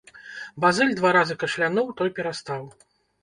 Базыль два разы кашлянуў, той перастаў.